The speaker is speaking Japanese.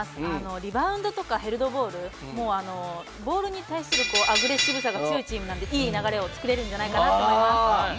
リバウンドとかヘルドボールボールに対するアグレッシブさが強いチームなのでいい流れを作れるんじゃないかなと思います。